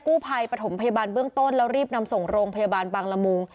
ภัยปฐมพยาบาลเบื้องต้นแล้วรีบนำส่งโรงพยาบาลบางละมุง